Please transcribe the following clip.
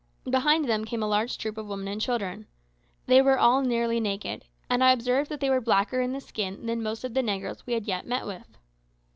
Behind them came a large troop of women and children. They were all nearly naked, and I observed that they were blacker in the skin than most of the negroes we had yet met with.